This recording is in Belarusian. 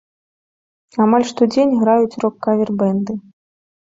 Амаль штодзень граюць рок-кавер-бэнды.